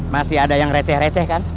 masih ada yang receh receh kan